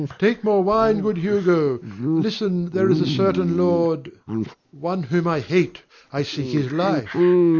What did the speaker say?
Take more wine, good Hugo. Listen, there is a certain lord, one whom I hate. I seek his life.